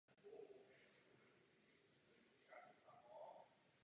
Nachází se tu letiště La Aurora International Airport.